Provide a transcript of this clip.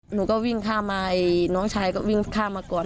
หนูก็วิ่งข้ามมาน้องชายก็วิ่งข้ามมาก่อน